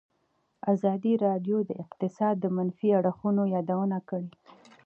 ازادي راډیو د اقتصاد د منفي اړخونو یادونه کړې.